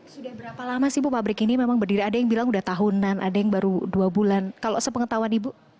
sudah berapa lama sih bu pabrik ini memang berdiri ada yang bilang udah tahunan ada yang baru dua bulan kalau sepengetahuan ibu